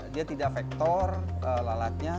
dia tidak vektor alatnya